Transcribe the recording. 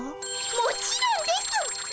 もちろんです！